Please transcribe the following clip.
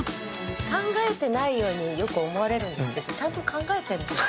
考えてないようによく思われるんですけどちゃんと考えてるんですよ。